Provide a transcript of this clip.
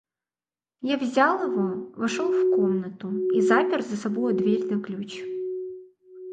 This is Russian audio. Я взял его, вошел в комнату и запер за собою дверь на ключ.